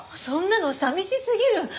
そんなの寂しすぎる！